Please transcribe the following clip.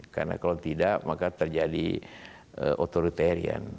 karena kalau tidak maka terjadi otoritarian